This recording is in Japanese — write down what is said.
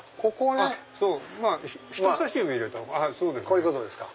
こういうことですか。